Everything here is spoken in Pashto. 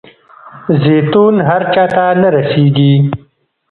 زیتون هر چاته نه رسیږي.